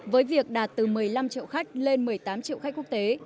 với việc đạt từ một mươi năm triệu khách lên một mươi tám triệu khách quốc tế